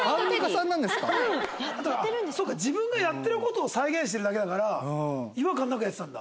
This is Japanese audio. そうか自分がやってる事を再現してるだけだから違和感なくやってたんだ。